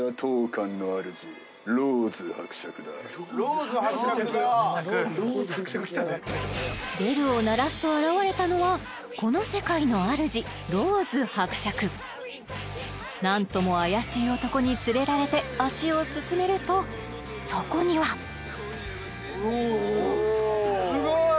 ローズ伯爵かあローズ伯爵来たでベルを鳴らすと現れたのはこの世界のあるじ何とも怪しい男に連れられて足を進めるとそこにはおおすごい！